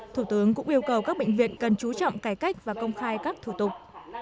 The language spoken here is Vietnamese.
thủ tướng cũng yêu cầu các bệnh viện cần chú trọng cải cách và công khai các thủ tục